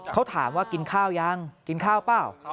เขาถามว่ากินข้าวยังกินข้าวเปล่า